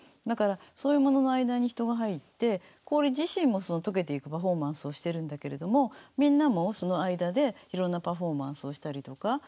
だからそういうものの間に人が入って氷自身も解けていくパフォーマンスをしてるんだけれどもみんなもその間でいろんなパフォーマンスをしたりとか。